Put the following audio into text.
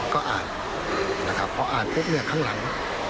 ก็อ่านนะครับพออ่านปุ๊บเนี่ยข้างหลัง